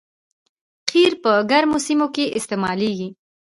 قیر په ګرمو سیمو کې استعمالیږي